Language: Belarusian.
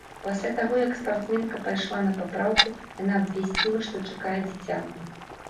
Пасля таго, як спартсменка пайшла на папраўку, яна абвясціла, што чакае дзіця.